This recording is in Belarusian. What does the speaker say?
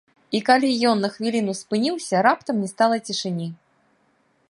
І калі ён на хвіліну спыніўся, раптам не стала цішыні.